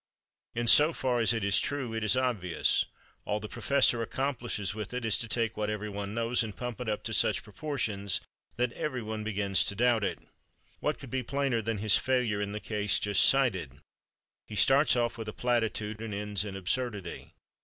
In so far as it is true it is obvious. All the professor accomplishes with it is to take what every one knows and pump it up to such proportions that every one begins to doubt it. What could be plainer than his failure in the case just cited? He starts off with a platitude, and ends in absurdity.